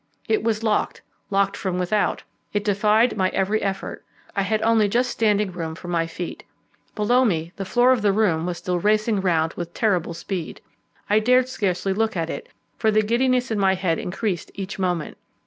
It was locked, locked from without; it defied my every effort. I had only just standing room for my feet. Below me the floor of the room was still racing round with terrible speed. I dared scarcely look at it, for the giddiness in my head increased each moment.